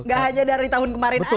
gak hanya dari tahun kemarin aja gitu ya